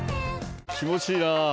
気持ちいいな。